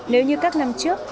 nếu như các năm trước